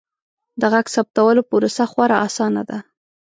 د غږ ثبتولو پروسه خورا اسانه ده.